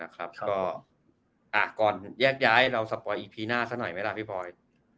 ก็ก่อนแยกย้ายเราสปอยอีพีหน้าซะหน่อยไหมล่ะพี่พลอย